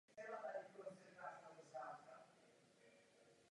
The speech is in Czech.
Je matkou pěti dětí.